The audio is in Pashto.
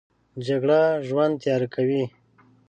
جګړه ژوند تیاره کوي